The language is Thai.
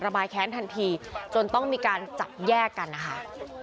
บายแค้นทันทีจนต้องมีการจับแยกกันนะคะ